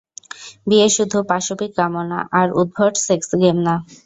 বিয়ে শুধু পাশবিক কামনা, আর উদ্ভট সেক্স গেম না।